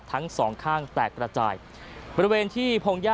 ทั้งสองข้างแตกกระจายบริเวณที่พงหญ้า